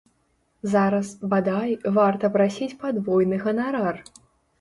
Зараз, бадай, варта прасіць падвойны ганарар!